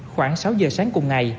khoảng sáu giờ sáng cùng ngày